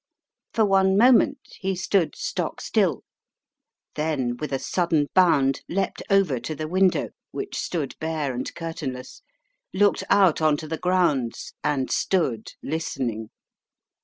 For one moment he stood stock still, then with a sudden bound leaped over to the window, which stood bare and curtainless, looked out on to the grounds, and stood listening.